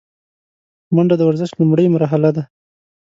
منډه د ورزش لومړۍ مرحله ده